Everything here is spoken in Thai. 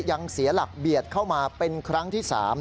ยังเสียหลักเบียดเข้ามาเป็นครั้งที่๓